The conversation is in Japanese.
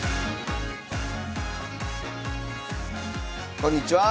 こんにちは。